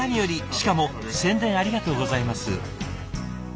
しかも宣伝ありがとうございます。